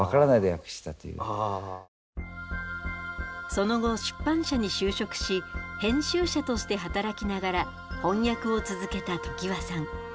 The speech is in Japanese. その後出版社に就職し編集者として働きながら翻訳を続けた常盤さん。